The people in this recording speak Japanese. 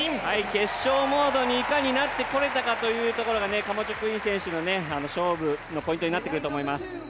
決勝モードにいかになってこれたかというのがカマチョ・クイン選手の勝負のポイントになってくると思います。